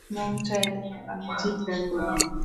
মন চাইলে আমি চিৎকার করব।